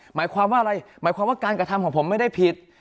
หมายความว่าอะไรหมายความว่าการกระทำของผมไม่ได้ผิด